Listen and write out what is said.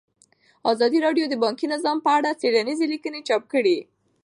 ازادي راډیو د بانکي نظام په اړه څېړنیزې لیکنې چاپ کړي.